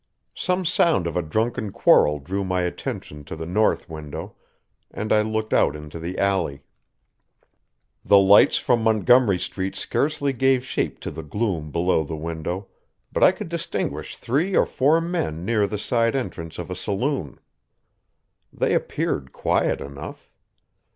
Some sound of a drunken quarrel drew my attention to the north window, and I looked out into the alley. The lights from Montgomery Street scarcely gave shape to the gloom below the window, but I could distinguish three or four men near the side entrance of a saloon. They appeared quiet enough.